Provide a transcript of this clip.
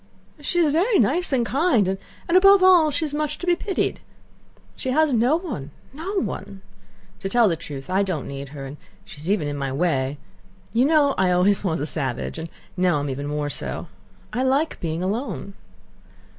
She is very nice and kind and, above all, she's much to be pitied. She has no one, no one. To tell the truth, I don't need her, and she's even in my way. You know I always was a savage, and now am even more so. I like being alone....